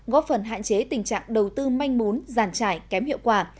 góp phần hạn chế tình trạng đầu tư manh mún giàn trải kém hiệu quả